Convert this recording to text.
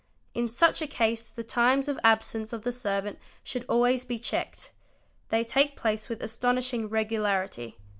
In "such a case the times of absence of the servant should always be checked. They take place with astonishing regularity.